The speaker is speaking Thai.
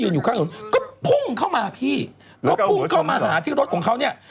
รถมอเตอร์ใสมันจะหลงนะ